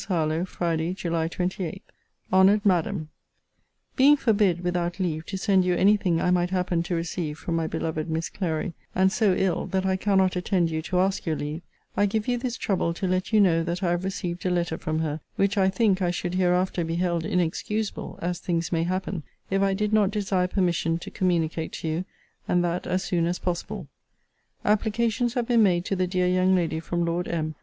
HARLOWE FRIDAY, JULY 28. HONOURED MADAM, Being forbid (without leave) to send you any thing I might happen to receive from my beloved Miss Clary, and so ill, that I cannot attend you to ask your leave, I give you this trouble, to let you know that I have received a letter from her; which, I think, I should hereafter be held inexcusable, as things may happen, if I did not desire permission to communicate to you, and that as soon as possible. Applications have been made to the dear young lady from Lord M.